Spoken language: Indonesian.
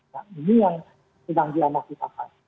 nah ini yang sedang dianalisakan